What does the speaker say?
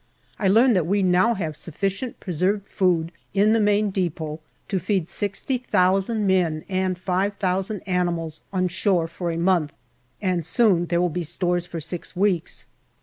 I learn that we now have sufficient preserved food in the Main depot to feed 60,000 men and 5,000 animals on shore for a month, and soon there will be stores for six weeks.